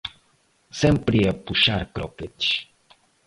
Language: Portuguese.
Sempre a puxar croquetes!